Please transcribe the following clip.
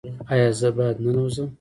ایا زه باید ننوځم؟